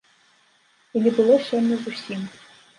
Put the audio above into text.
І не было сёння зусім.